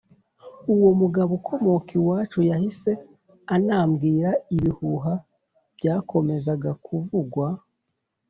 uwo mugabo ukomoka iwacu yahise anambwira ibihuha byakomezaga kuvugwa,